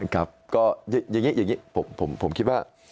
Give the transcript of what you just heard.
ครับก็อย่างนี้ผมคิดว่า